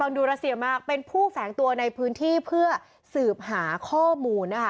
ดูรัสเซียมากเป็นผู้แฝงตัวในพื้นที่เพื่อสืบหาข้อมูลนะคะ